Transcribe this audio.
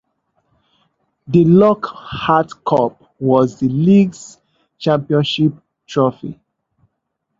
The Lockhart Cup was the league's championship trophy.